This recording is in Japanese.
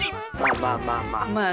まあまあまあまあ。